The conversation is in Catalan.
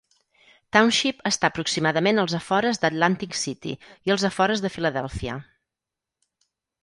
Township està aproximadament als afores d"Atlantic City i als afores de Filadèlfia.